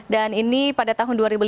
dan ini pada tahun dua ribu lima belas